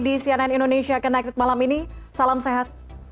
di cnn indonesia connected malam ini salam sehat